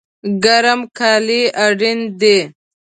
ګرم کالی اړین دي